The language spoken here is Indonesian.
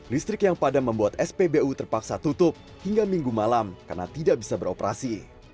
listrik yang padam membuat spbu terpaksa tutup hingga minggu malam karena tidak bisa beroperasi